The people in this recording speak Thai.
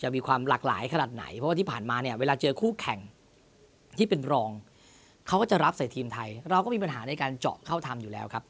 มีความหลากหลายขนาดไหนเพราะว่าที่ผ่านมาเนี่ยเวลาเจอคู่แข่งที่เป็นรองเขาก็จะรับใส่ทีมไทยเราก็มีปัญหาในการเจาะเข้าทำอยู่แล้วครับ